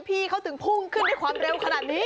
พี่เขาถึงพุ่งขึ้นด้วยความเร็วขนาดนี้